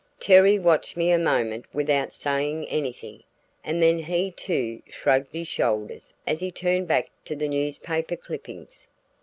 Terry watched me a moment without saying anything, and then he too shrugged his shoulders as he turned back to the newspaper clippings.